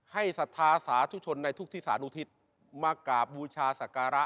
ศรัทธาสาธุชนในทุกที่สานุทิศมากราบบูชาศักระ